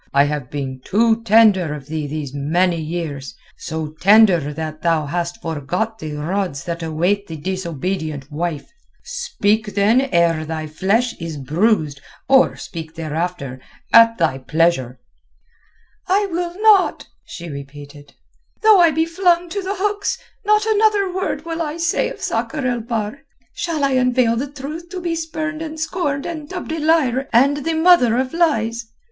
I have been too tender of thee these many years—so tender that thou hast forgot the rods that await the disobedient wife. Speak then ere thy flesh is bruised or speak thereafter, at thy pleasure." "I will not," she repeated. "Though I be flung to the hooks, not another word will I say of Sakr el Bahr. Shall I unveil the truth to be spurned and scorned and dubbed a liar and the mother of lies?"